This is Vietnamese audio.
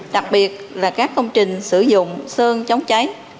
đặc biệt là các công trình sử dụng sơn chống cháy